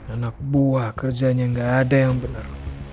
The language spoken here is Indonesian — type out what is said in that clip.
anak buah kerjanya nggak ada yang benar